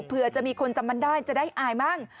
เผื่อจะมีคนจำมันได้จะได้อายมั่ง